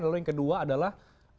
lalu yang kedua adalah